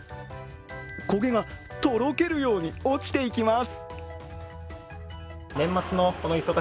焦げがとろけるように落ちていきます。